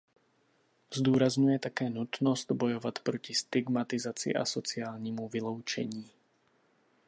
Zdůrazňuje také nutnost bojovat proti stigmatizaci a sociálnímu vyloučení.